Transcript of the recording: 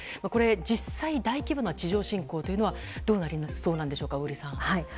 実際、大規模な地上侵攻はどうなりそうなんでしょうか小栗さん。